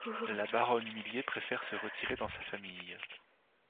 La baronne humiliée préfère se retirer dans sa famille.